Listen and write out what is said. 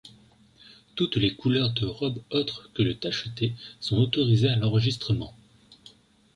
Toutes les couleurs de robe autres que le tacheté sont autorisées à l'enregistrement.